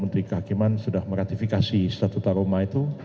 menteri kehakiman sudah meratifikasi statuta roma itu